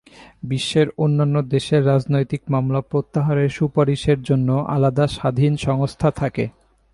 বিশ্বের অন্যান্য দেশে রাজনৈতিক মামলা প্রত্যাহারের সুপারিশের জন্য আলাদা স্বাধীন সংস্থা থাকে।